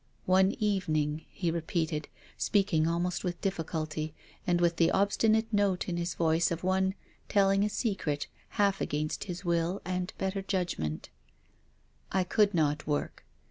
" One evening," he repeated, speaking almost with difficulty, and with the obstinate note in his voice of one telling a secret half against his will and better judgment, " I could not work.